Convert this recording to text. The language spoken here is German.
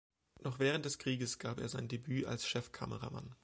Noch während des Krieges gab er sein Debüt als Chefkameramann.